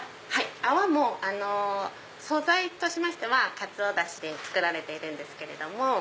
泡も素材としましてはかつおダシで作られているんですけれども。